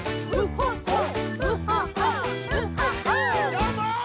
どーも！